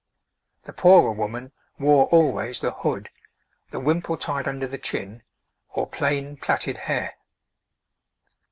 The poorer woman wore always the hood, the wimple tied under the chin, or plain plaited hair.